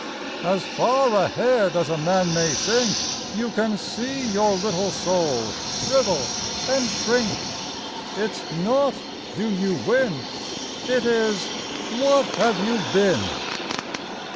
As far ahead as a man may think, You can see your little soul shrivel and shrink. It's not, "Do you win?" It is, "What have you been?"